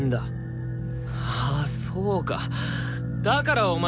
ああそうかだからお前